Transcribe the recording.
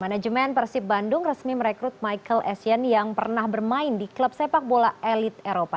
manajemen persib bandung resmi merekrut michael essien yang pernah bermain di klub sepak bola elit eropa